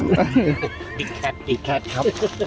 ตอนนี้เจออะไรบ้างครับ